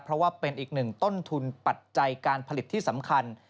เพราะว่าเป็นอีกหนึ่งต้นทุนปัจจัยการผลิตที่สำคัญ